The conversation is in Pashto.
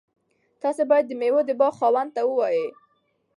تاسي باید د میوو د باغ خاوند ته ووایئ.